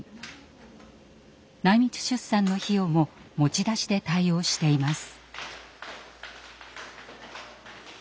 内密出産の費用も持ち出しで対応しています。